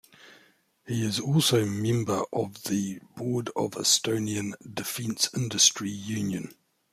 He is also member of the Board of Estonian Defense Industry Union.